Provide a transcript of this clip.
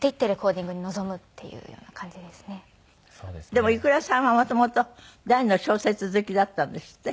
でもｉｋｕｒａさんは元々大の小説好きだったんですって？